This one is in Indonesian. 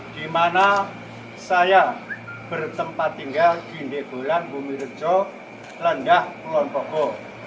di mana saya bertempat tinggal di indegolan bumi rejo lendah pulau ndobo